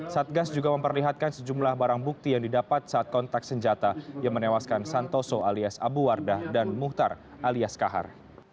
satgas juga memperlihatkan sejumlah barang bukti yang didapat saat kontak senjata yang menewaskan santoso alias abu wardah dan muhtar alias kahar